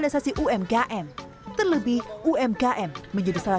bagaimana menurut anda